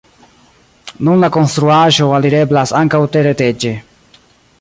Nun la konstruaĵo alireblas ankaŭ tereteĝe.